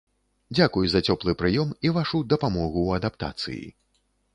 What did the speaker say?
Дзякуй за цёплы прыём і вашу дапамогу ў адаптацыі.